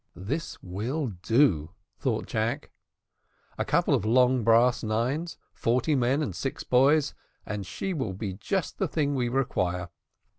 This will do, thought Jack; a couple of long brass nines, forty men and six boys, and she will be just the thing we require.